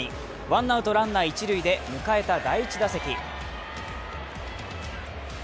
ワンアウトランナー一塁で迎えた第１打席。